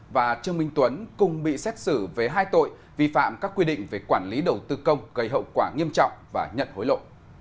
và trương minh tuấn cùng bị xét xử với hai tội vi phạm các quy định về quản lý đầu tư công gây hậu quả nghiêm trọng và nhận hối lộ